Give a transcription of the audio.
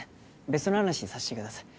別の話させてください